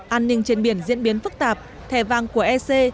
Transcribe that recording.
an ninh trên biển diễn biến phức tạp thẻ vàng của ec